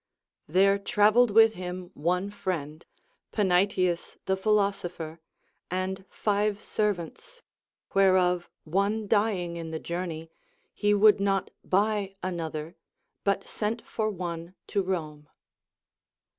There travelled with him one friend, Panaetius the philosopher, and five servants, whereof one dying in the journey, he would not buy another, but sent for one to Rome.